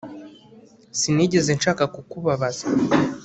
Sinigeze nshaka kukubabaza